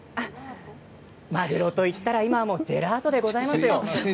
まぐろと言ったら今はジェラートでございますよ。